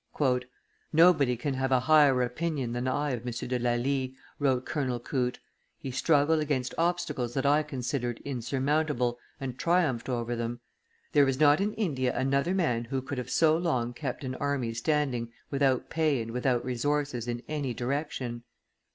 "Nobody can have a higher opinion than I of M. de Lally," wrote Colonel Coote; "he struggled against obstacles that I considered insurmountable, and triumphed over them. There is not in India another man who could have so long kept an army standing without pay and without resources in any direction."